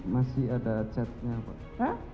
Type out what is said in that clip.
masih ada chatnya pak